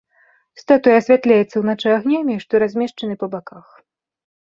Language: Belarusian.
Статуя асвятляецца ўначы агнямі, што размешчаны па баках.